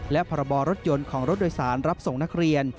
และพรบรถยนต์ของรถโดยสารรับส่งนักเรียน